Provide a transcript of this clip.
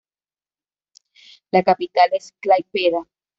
La capital es Klaipėda.